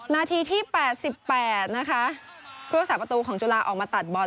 นาทีที่แปดสิบแปดนะคะพวกสาประตูของจุฬาออกมาตัดบอล